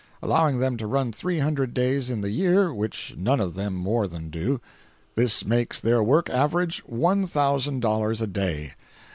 Allowing them to run three hundred days in the year (which none of them more than do), this makes their work average $1,000 a day.